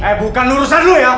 eh bukan urusan lo ya